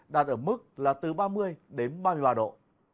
đạt ở mức là từ ba mươi đến ba mươi ba độ